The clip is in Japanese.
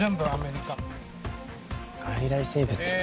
外来生物か。